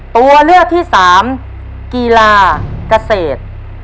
ตัวเลือกที่สามกีฬาเกษตร